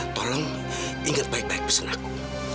tolong ingat baik baik pesan aku